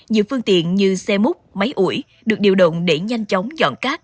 nhiều phương tiện như xe múc máy ủi được điều động để nhanh chóng dọn cát